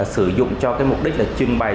sử dụng cho mục đích trưng bày